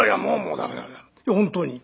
駄目いや本当に。